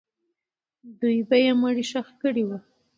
دوی به یې مړی ښخ کړی وو.